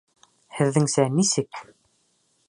Һеҙҙеңсә нисек?